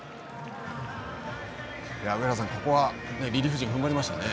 上原さん、ここはリリーフ陣がふんばりましたね。